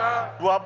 nikki yang terima